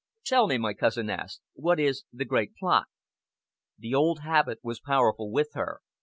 "Tell me," my cousin asked, "what is the Great Plot?" The old habit was powerful with her.